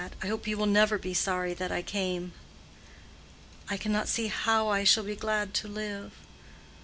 I hope you will never be sorry that I came." "I cannot see how I shall be glad to live.